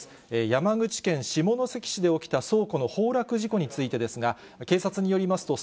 山口県下関市で起きた倉庫の崩落事故についてですが、警察によりますと、